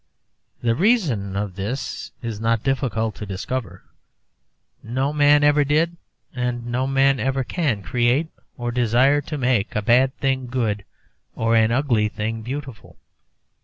The reason of this is not difficult to discover. No man ever did, and no man ever can, create or desire to make a bad thing good or an ugly thing beautiful.